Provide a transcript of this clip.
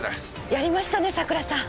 やりましたね佐倉さん。